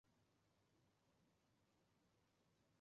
两条主要乡村上白泥村及下白泥村均辖属厦村乡。